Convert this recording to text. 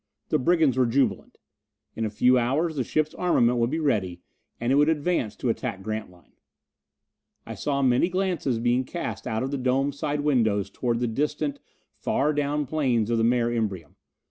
The brigands were jubilant. In a few hours the ship's armament would be ready, and it would advance to attack Grantline. I saw many glances being cast out the dome side windows toward the distant, far down plains of the Mare Imbrium.